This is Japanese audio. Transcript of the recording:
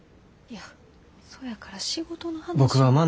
いやそやから仕事の話は。